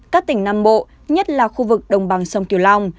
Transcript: các tỉnh nam bộ nhất là khu vực đồng bằng sông kiều long